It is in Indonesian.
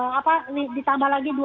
kalau ditambah lagi